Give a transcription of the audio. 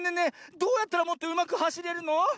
どうやったらもっとうまくはしれるの？